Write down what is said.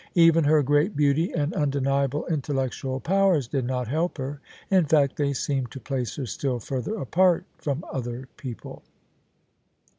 Even her great beauty and undeniable OF ISABEL CARNABY intellectual powers did not help her: in fact, they seemed to place her still further apart from other people.